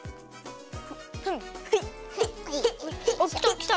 きた？